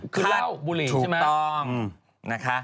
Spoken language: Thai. คาดถูกต้อง